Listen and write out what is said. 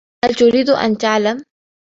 هل تريد أن تعلم؟